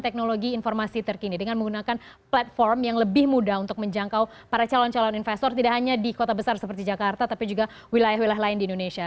teknologi informasi terkini dengan menggunakan platform yang lebih mudah untuk menjangkau para calon calon investor tidak hanya di kota besar seperti jakarta tapi juga wilayah wilayah lain di indonesia